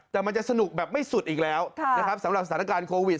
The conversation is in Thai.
แต่มันจะสนุกแบบไม่สุดอีกแล้วนะครับสำหรับสถานการณ์โควิด